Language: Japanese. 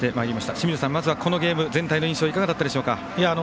清水さん、まずはこのゲーム全体の印象いかがでしたでしょうか。